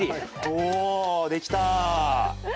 おできた！